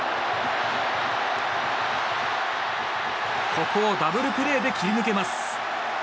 ここをダブルプレーで切り抜けます。